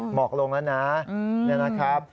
หมอกลงแล้วนะครับ